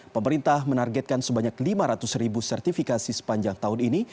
pemerintah menargetkan sebanyak lima ratus ribu sertifikasi sepanjang tahun ini